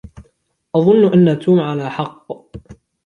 أظن أن توم على حق.